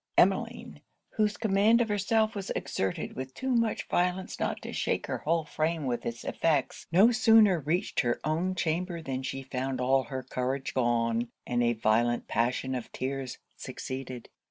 Emmeline, whose command of herself was exerted with too much violence not to shake her whole frame with it's effects, no sooner reached her own chamber than she found all her courage gone, and a violent passion of tears succeeded.